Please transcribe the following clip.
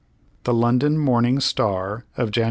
The London Morning Star of Jan.